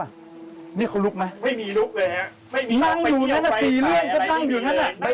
นั่งอยู่แน่น่ะ๔เรื่องก็นั่งอยู่แน่น่ะ